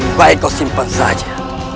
baik kau simpan saja